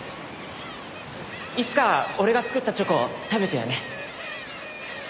いつか俺が作ったチョコ食べてよね。